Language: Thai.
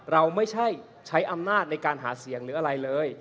เราไม่ใช่ใช้อำนาจในการหาเสียงหรืออะไรเลย